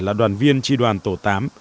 là đoàn viên tri đoàn tổ tám